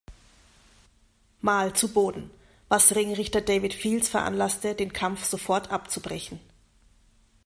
Mal zu Boden, was Ringrichter David Fields veranlasste, den Kampf sofort abzubrechen.